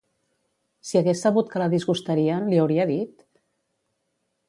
Si hagués sabut que la disgustaria, li hauria dit?